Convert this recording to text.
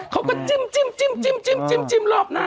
เขาก็จิ้มจิ้มจิ้มจิ้มรอบหน้า